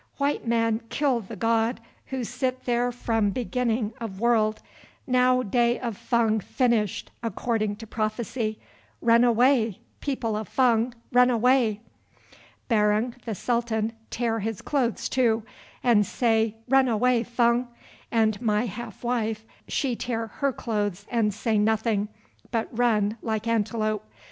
White man kill the god who sit there from beginning of world, now day of Fung finished according to prophecy. Run away, people of Fung, run away!' "Barung the Sultan tear his clothes too, and say—'Run away, Fung,' and my half wife, she tear her clothes and say nothing, but run like antelope.